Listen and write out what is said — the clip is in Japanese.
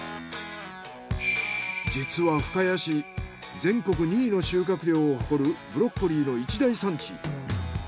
実は深谷市全国２位の収穫量を誇るブロッコリーの一大産地。